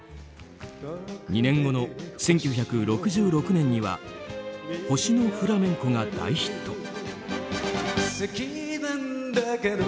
２年後の１９６６年には「星のフラメンコ」が大ヒット。